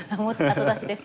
後出しです。